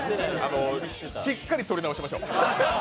しっかり録り直しましょう。